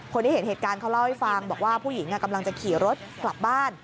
คนที่เห็นเหตุการณ์เขาเล่าให้ฟังบอกว่าผู้หญิงกำลังจะขี่รถกลับบ้าน